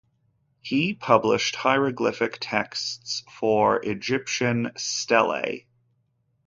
He published Hieroglyphic Texts for Egyptian Stellae.